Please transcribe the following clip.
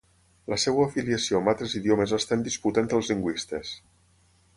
La seva filiació amb altres idiomes està en disputa entre els lingüistes.